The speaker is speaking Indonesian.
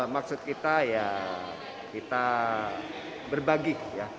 maksud kita ya kita berbagi ya